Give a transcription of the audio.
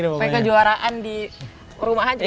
banyak kejuaraan di rumah aja